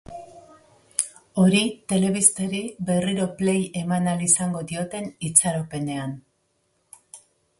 Hori telebistari berriro play eman ahal izango dioten itxaropenean.